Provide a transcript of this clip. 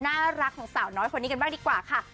น่ารักของสาวน้อยคนนี้กันบ้างดีกว่าค่ะ